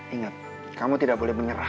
ingat kamu tidak boleh menyerah